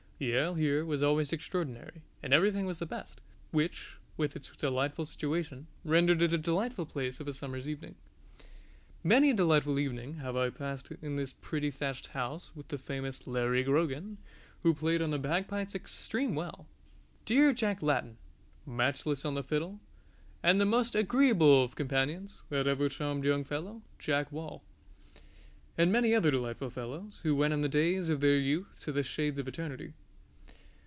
The ale here was always extraordinary, and everything the best; which, with its delightful situation, rendered it a delightful place of a summer's evening. Many a delightful evening have I passed in this pretty thatched house with the famous Larrey Grogan, who played on the bagpipes extreme well; dear Jack Lattin, matchless on the fiddle, and the most agreeable of companions; that ever charming young fellow, Jack Wall ... and many other delightful fellows; who went in the days of their youth to the shades of eternity.